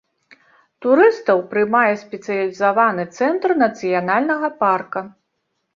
Турыстаў прымае спецыялізаваны цэнтр нацыянальнага парка.